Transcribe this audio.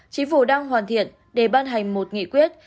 chính phủ đang hoàn thiện để ban hành một nghị quyết